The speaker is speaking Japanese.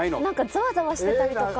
ざわざわしてたりとか。